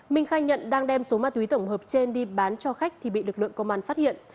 minh khai nhận đang đem số ma túy tổng hợp trên đi bán cho khách thì bị lực lượng công an phát hiện